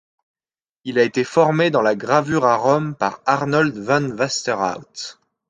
Il a été formé dans la gravure à Rome par Arnold van Westerhout.